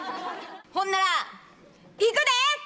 ほんならいくで！